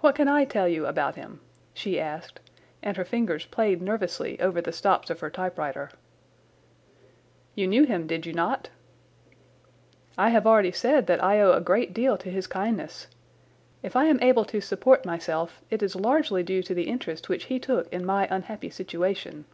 "What can I tell you about him?" she asked, and her fingers played nervously over the stops of her typewriter. "You knew him, did you not?" "I have already said that I owe a great deal to his kindness. If I am able to support myself it is largely due to the interest which he took in my unhappy situation."